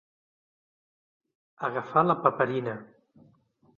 Agafar la paperina.